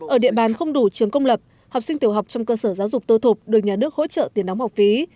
ở địa bàn không đủ trường công lập học sinh tiểu học trong cơ sở giáo dục tư thục được nhà nước hỗ trợ tiền đóng học phí